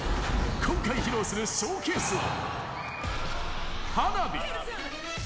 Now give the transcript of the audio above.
今回披露するショーケースは、花火。